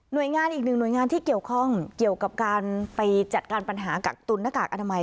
โดยงานอีกหนึ่งหน่วยงานที่เกี่ยวข้องเกี่ยวกับการไปจัดการปัญหากักตุนหน้ากากอนามัย